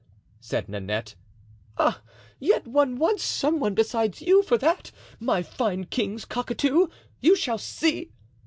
said Nanette. "Ah! yet one wants some one besides you for that, my fine king's cockatoo! You shall see."